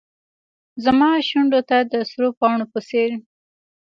زما وشونډو ته د سرو پاڼو په څیر